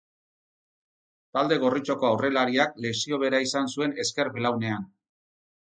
Talde gorritxoko aurrelariak lesio bera izan zuen ezker belaunean.